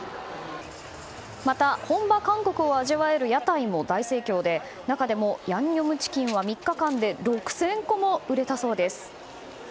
また、本場韓国を味わえる屋台も大盛況で中でもヤンニョムチキンは３日間で６０００個も売れたそうです。